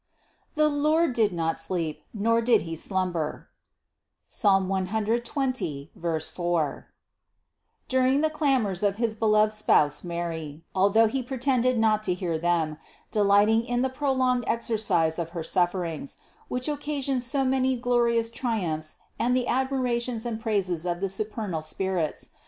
The Lord did not sleep, nor did He slumber (Psalm 120, 4) during the clamors of his beloved spouse Mary, although He pretended not to hear them, delight ing in the prolonged exercise of her sufferings, which occasioned so many glorious triumphs and the admira tions and praises of the supernal spirits.